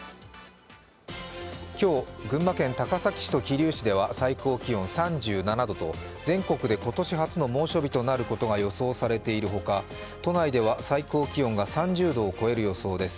今日、群馬県高崎市と桐生市では最高気温３７度と全国で今年初の猛暑日となることが予想されているほか、都内では最高気温が３０度を超える予想です。